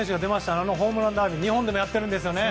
あのホームランダービー日本でもやってるんですね。